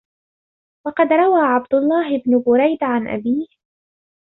وَقَدْ رَوَى عَبْدُ اللَّهِ بْنُ بُرَيْدَةَ عَنْ أَبِيهِ